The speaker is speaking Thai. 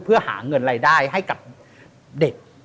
เพื่อหาเงินรายได้ให้กับเด็ก